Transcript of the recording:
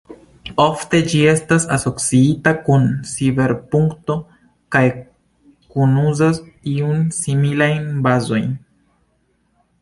Ofte ĝi estas asociita kun ciberpunko kaj kunuzas iun similajn bazojn.